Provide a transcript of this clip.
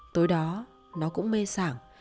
tối đó nó cũng mê sảng